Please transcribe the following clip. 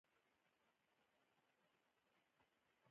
د ځنډ له امله یې بخښنه وغوښتله.